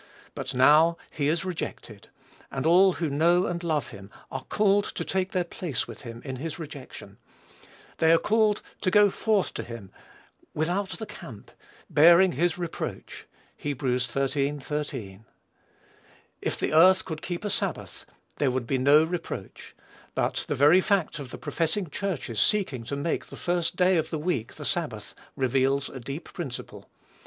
But now, he is rejected, and all who know and love him are called to take their place with him in his rejection; they are called to "go forth to him without the camp bearing his reproach." (Heb. xiii. 13.) If earth could keep a sabbath, there would be no reproach; but the very fact of the professing church's seeking to make the first day of the week the sabbath, reveals a deep principle.